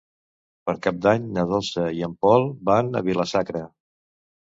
Per Cap d'Any na Dolça i en Pol van a Vila-sacra.